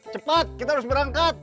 cepat kita harus berangkat